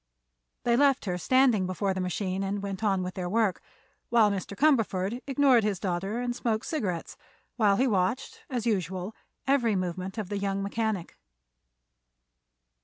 They left her standing before the machine and went on with their work, while Mr. Cumberford ignored his daughter and smoked cigarettes while he watched, as usual, every movement of the young mechanic.